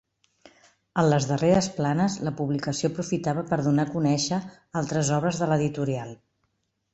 En les darreres planes la publicació aprofitava per donar a conèixer altres obres de l'editorial.